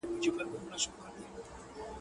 صبر کوه خدای به درکړي.